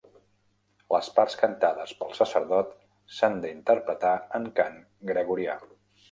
Les parts cantades pel sacerdot s'han d'interpretar en cant gregorià.